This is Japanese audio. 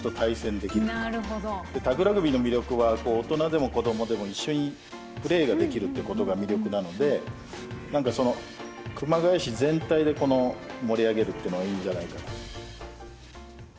でタグラグビーの魅力は大人でも子どもでも一緒にプレーができるってことが魅力なので熊谷市全体で盛り上げるっていうのがいいんじゃないか。